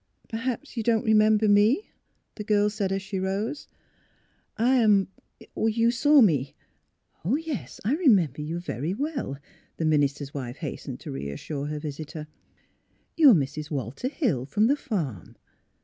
" Perhaps you don't remember me? " the girl said, as she rose. ''I am — you saw me "'' Yes, I remember you very well," the minis ter's wife hastened to reassure her visitor. " You are Mrs. Walter Hill, from the farm.